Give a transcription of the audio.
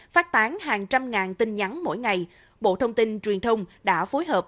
phát tán hàng trăm ngàn tin nhắn mỗi ngày bộ thông tin truyền thông đã phối hợp